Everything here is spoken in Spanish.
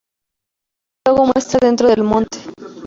La escena luego muestra a dentro del Monte.